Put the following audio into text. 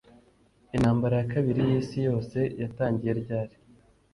Intambara ya Kabiri yIsi Yose yatangiye ryari